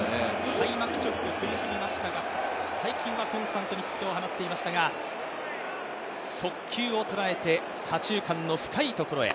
開幕直後、苦しみましたが最近はコンスタントにヒットを放っていましたが速球を捉えて左中間の深いところへ。